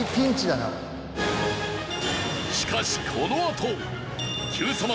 しかしこのあとＱさま！！